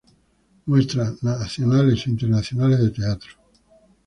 Muestras Nacionales e Internacionales de Teatro.